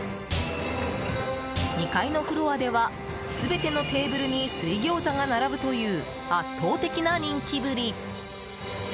２階のフロアでは全てのテーブルに水餃子が並ぶという圧倒的な人気ぶり。